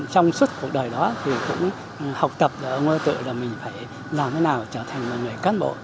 trong suốt cuộc đời đó thì cũng học tập ở ngô gia tự là mình phải làm thế nào trở thành một người cán bộ